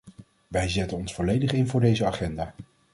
Wij zetten ons volledig in voor deze agenda.